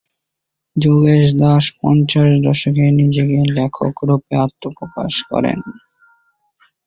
যোগেশ দাশ পঞ্চাশ দশকে নিজেকে লেখক রুপে আত্মপ্রকাশ করেন।